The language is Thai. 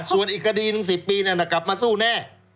ส่วนอีกคดีหนึ่ง๑๐ปีนั้นกลับมาสู้แน่